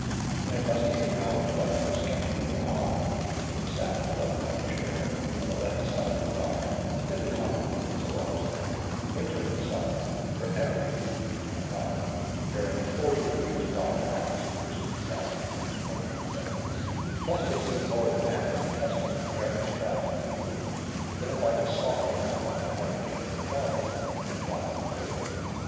And it must be acknowledged by the most sceptical, that I, who have sat in the leathern armchair, on the left hand side of the fire, in the common room of the Wallace Inn, winter and summer, for every evening in my life, during forty years bypast (the Christian Sabbaths only excepted), must have seen more of the manners and customs of various tribes and people, than if I had sought them out by my own painful travel and bodily labour.